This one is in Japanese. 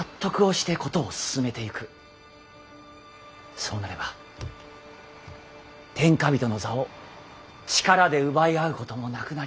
そうなれば天下人の座を力で奪い合うこともなくなりましょう。